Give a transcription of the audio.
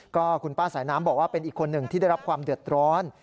ก็คุณป้าสายน้ำบอกว่าเป็นอีกคนหนึ่งที่ได้รับความเดือดร้อน